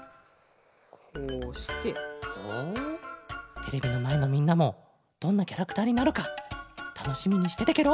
テレビのまえのみんなもどんなキャラクターになるかたのしみにしててケロ。